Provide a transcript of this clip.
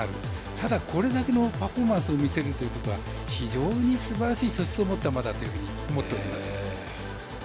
ただ、これだけのパフォーマンスを見せるというのは非常にすばらしい素質を持った馬だと思っております。